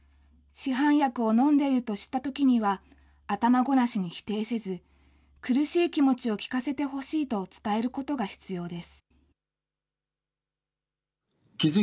市販薬を飲んでいると知ったときには、頭ごなしに否定せず、苦しい気持ちを聞かせてほしいと伝えることが必要です。